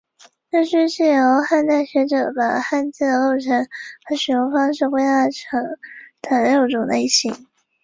六书是由汉代的学者把汉字的构成和使用方式归纳成的六种类型。